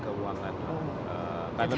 karena tadi kan